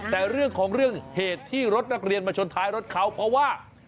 แต่เรื่องของเรื่องเหตุที่รถนักเรียนมาชนท้ายรถเขาเพราะว่า